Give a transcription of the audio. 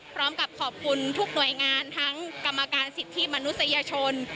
พร้อมกับขอบคุณทุกหน่วยงานทั้งกรรมการสิทธิมนุษยชน